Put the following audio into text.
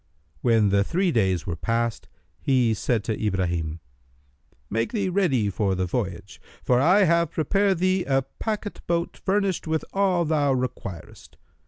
When the three days were past, he said to Ibrahim, "Make thee ready for the voyage; for I have prepared thee a packet boat furnished with all thou requirest.